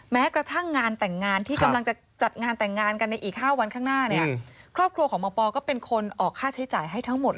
แม้กระทั่งงานแต่งงานที่กำลังจะจัดงานแต่งงานกันในอีก๕วันข้างหน้าเนี่ยครอบครัวของหมอปอก็เป็นคนออกค่าใช้จ่ายให้ทั้งหมดเลย